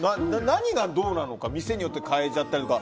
何がどうなのか店によって変えちゃったりとか。